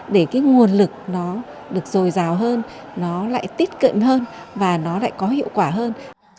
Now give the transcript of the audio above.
để cái nguồn lực nó được dồi dào hơn nó lại tiết cận hơn và nó lại có hiệu quả hơn